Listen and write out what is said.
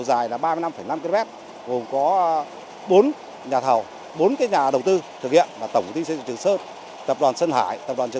giai đoạn hai hoàn thành quy mô đường cao tốc bốn làn xe